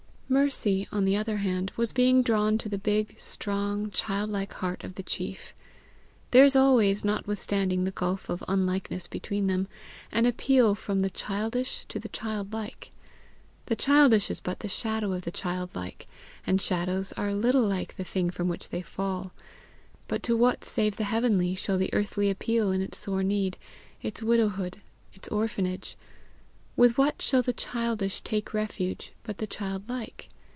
Mercy, on the other hand, was being drawn to the big, strong, childlike heart of the chief. There is always, notwithstanding the gulf of unlikeness between them, an appeal from the childish to the childlike. The childish is but the shadow of the childlike, and shadows are little like the things from which they fall. But to what save the heavenly shall the earthly appeal in its sore need, its widowhood, its orphanage? with what shall the childish take refuge but the childlike?